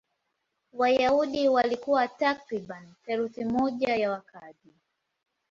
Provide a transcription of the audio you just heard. Wayahudi walikuwa takriban theluthi moja ya wakazi.